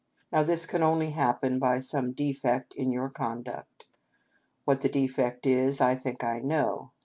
Now this can only happen by some defect in your con duct. What that defect is, I think I know.